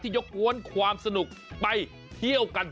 ยกกวนความสนุกไปเที่ยวกัน